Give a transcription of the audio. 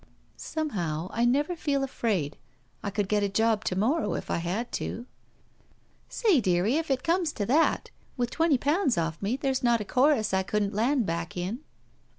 "Somehow, I never feel afraid. I could get a job to morrow if I had to." "Say, dearie, if it comes to that, with twenty pounds oflf me, there's not a chorus I couldn't land back in."